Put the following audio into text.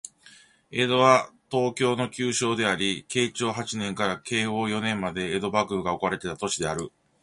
江戸は、東京の旧称であり、慶長八年から慶応四年まで江戸幕府が置かれていた都市である